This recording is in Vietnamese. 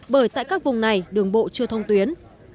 bởi tại các vùng này đường bộ chưa thông tuyến